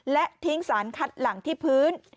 และทิ้งสารคัดหลังที่พื้น